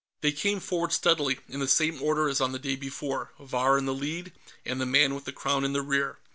They came forward steadily, in the same order as on the day before, Vahr in the lead and the man with the Crown in the rear.